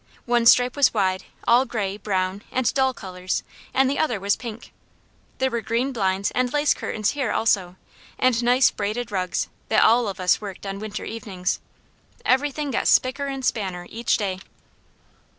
One stripe was wide, all gray, brown, and dull colours, and the other was pink. There were green blinds and lace curtains here also, and nice braided rugs that all of us worked on of winter evenings. Everything got spicker and spanner each day.